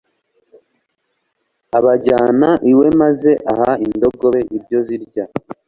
abajyana iwe maze aha indogobe ibyo zirya